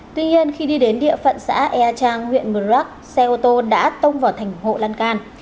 tuy nhiên khi đi đến địa phận xã ea trang huyện mờ rắc xe ô tô đã tông vào thành hộ lan can